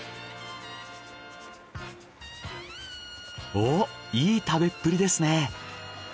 おっいい食べっぷりですね！